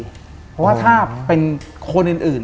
เพราะว่าถ้าเป็นคนอื่น